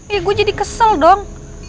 ya gue jadi kesel dong